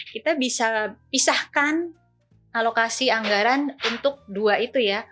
kita bisa pisahkan alokasi anggaran untuk dua itu ya